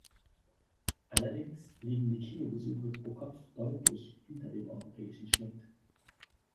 Allerdings liegen die Kinobesuche pro Kopf deutlich hinter dem europäischen Schnitt.